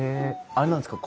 あれなんですか？